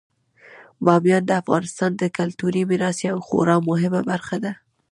بامیان د افغانستان د کلتوري میراث یوه خورا مهمه برخه ده.